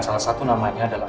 salah satu namanya adalah